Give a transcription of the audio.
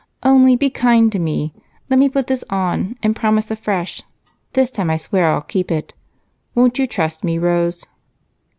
Only be kind to me. Let me put this on, and promise afresh this time I swear I'll keep it. Won't you trust me, Rose?"